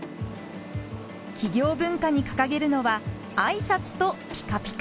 企業文化に掲げるのは「挨拶とピカピカ」。